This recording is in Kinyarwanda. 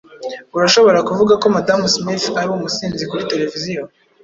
Urashobora kuvuga ko Madamu Smith ari umusinzi kuri tereviziyo.